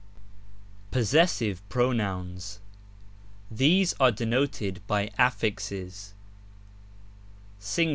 Pobbesbiye Pbosovbb. These are denoted by affixes : Sing.